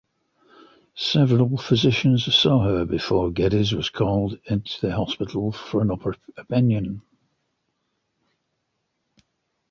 Several physicians saw her before Geddes was called to the hospital for an opinion.